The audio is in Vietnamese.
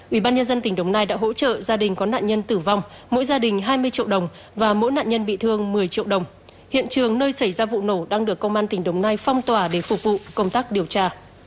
ủy ban nhân dân tỉnh đồng nai đã hỗ trợ gia đình có nạn nhân tử vong mỗi gia đình hai mươi triệu đồng và mỗi nạn nhân bị thương một mươi triệu đồng hiện trường nơi xảy ra vụ nổ đang được công an tỉnh đồng nai phong tỏa để phục vụ công tác điều tra